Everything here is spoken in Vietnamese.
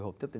cháu của chị